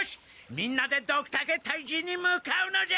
みんなでドクタケ退治に向かうのじゃ！